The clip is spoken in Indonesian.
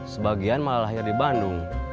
sebagian malah lahir di bandung